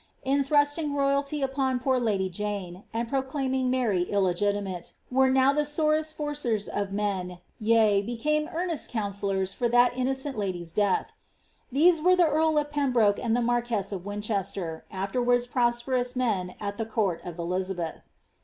in tlirustiug roj^ty upon poor lady Jane, and proclaiming Mary illegitimate, were now the sorest forcers of men, yea, became earnest councillors for that innocent lady^J death.'^' These were the earl of Pembroke and the marquess of Win chester, afterwards prosperous men at the court of Elisabeth.